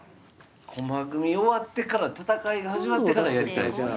駒組み終わってから戦いが始まってからやりたいですね